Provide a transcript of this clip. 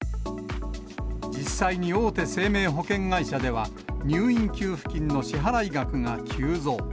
実際に大手生命保険会社では、入院給付金の支払い額が急増。